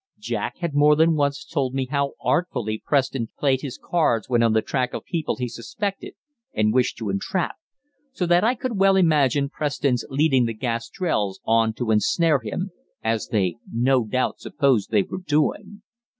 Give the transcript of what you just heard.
Jack had more than once told me how artfully Preston played his cards when on the track of people he suspected and wished to entrap, so that I could well imagine Preston's leading the Gastrells on to ensnare him as they no doubt supposed they were doing.